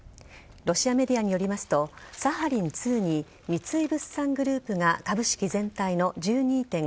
ロシアメディアによりますとサハリン２に三井物産グループが株式全体の１２．５％